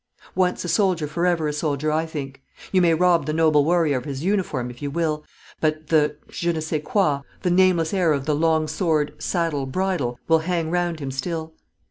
Once a soldier for ever a soldier, I think. You may rob the noble warrior of his uniform, if you will; but the je ne sais quoi, the nameless air of the "long sword, saddle, bridle," will hang round him still.